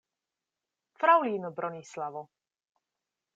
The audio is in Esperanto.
Fraŭlino Bronislavo!